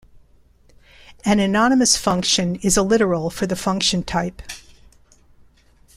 An anonymous function is a literal for the function type.